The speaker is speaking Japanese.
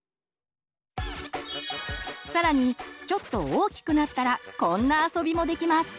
更にちょっと大きくなったらこんな遊びもできます！